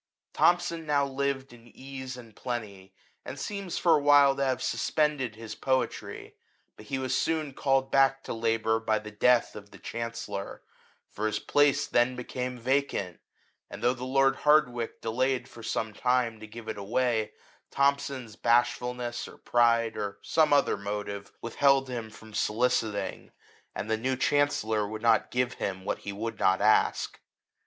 Thomson now lived in ease and plenty, and seems for a while to have suspended his poetry ; but he was soon called back to labour by the death of the Chancellor, for his place then became vacant; and though the lord Hardwicke delayed for some time to give it away, Thomson's bashfulness, or pride, or some other motive, withheld him from soli citing; and the new Chancellor would not give him what he would not ask.